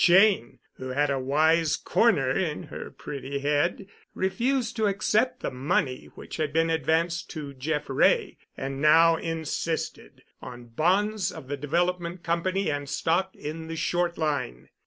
Cheyne, who had a wise corner in her pretty head, refused to accept the money which had been advanced to Jeff Wray, and now insisted on bonds of the Development Company and stock in the Short Line.